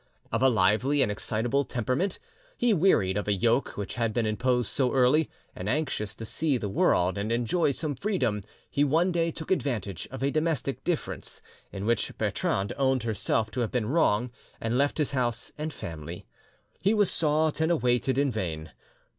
Of a lively and excitable temperament, he wearied of a yoke which had been imposed so early, and, anxious to see the world and enjoy some freedom, he one day took advantage of a domestic difference, in which Bertrande owned herself to have been wrong, and left his house and family. He was sought and awaited in vain.